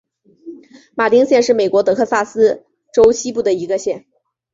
马丁县是美国德克萨斯州西部的一个县。